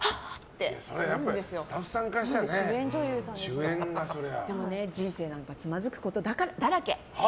それはスタッフさんからしたらでも、人生なんてつまずくことだらけ。